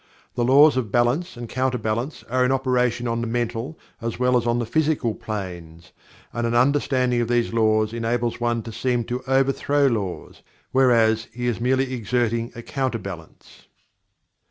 The laws of balance and counter balance are in operation on the mental as well as on the physical planes, and an understanding of these laws enables one to seem to overthrow laws, whereas he is merely exerting a counterbalance.